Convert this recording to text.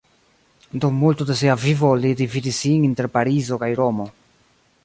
Dum multo de sia vivo li dividis sin inter Parizo kaj Romo.